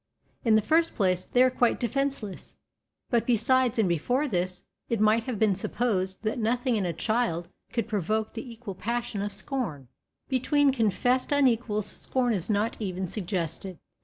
In the first place they are quite defenceless, but besides and before this, it might have been supposed that nothing in a child could provoke the equal passion of scorn. Between confessed unequals scorn is not even suggested.